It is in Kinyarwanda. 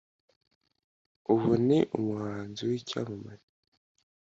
ubu ni umuhanzi w’icyamamare.